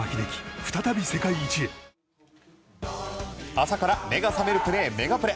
朝から目が覚めるプレーメガプレ。